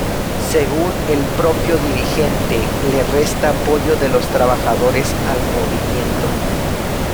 Según el propio dirigente, le resta apoyo de los trabajadores al movimiento.